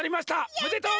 おめでとう！